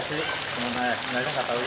saya kan gak tahu